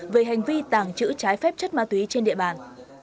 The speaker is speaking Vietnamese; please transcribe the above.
về hành vi tàng trữ trái phép chất ma túy trên địa bàn